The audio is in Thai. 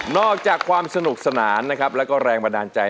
อกจากความสนุกสนานนะครับแล้วก็แรงบันดาลใจ